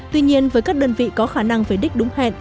tuy nhiên với các đơn vị có khả năng về đích đúng hẹn